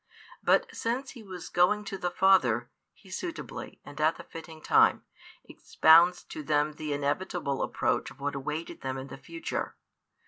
But since He was going to the Father, He suitably, and at the fitting time, expounds to them the inevitable approach of what awaited them in the future.